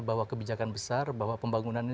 bahwa kebijakan besar bahwa pembangunan ini